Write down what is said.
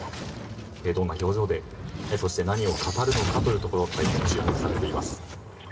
どんな表情でそして何を語るのかが大変注目されています。